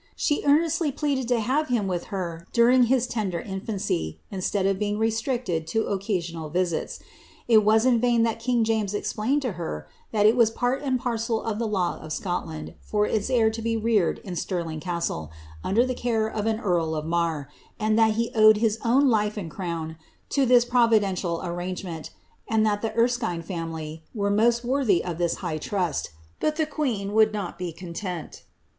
She earnestly pleaded to have him with her during his tender iofiuicy, instead of being restricted to occasional visits. It was in vain that king James explained to her that it was part and parcel of the law of Scotland for its heir to be reared in Stirling Castle, under the care of an earl of Marr, and that he owed his own life and crown to this provi dential arrangement, and that the Erskine family were most worthy of this high trust ; but the queen would not be content.